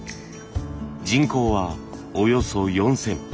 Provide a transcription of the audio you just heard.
人口はおよそ４，０００。